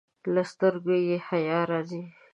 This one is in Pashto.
له سترګو یې حیا راځي.